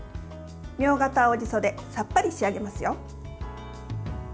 みょうがと青じそでさっぱり仕上げますよ。